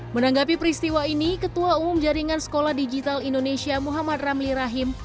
menanggapi peristiwa ini ketua umum jaringan sekolah digital indonesia muhammad ramli rahim